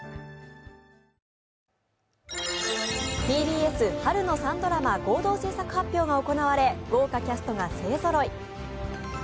更にＴＢＳ春の３ドラマ合同制作発表が行われ豪華キャストが勢ぞろい。